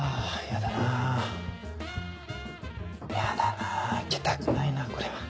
嫌だな開けたくないなこれは。